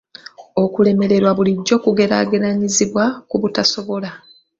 Okulemererwa bulijjo kugeraageranyizibwa ku butasobola.